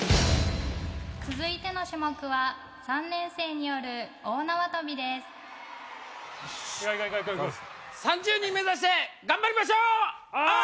続いての種目は３年生による大縄跳びです３０人目指して頑張りましょうおー！